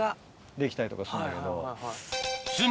できたりとかするんだけど。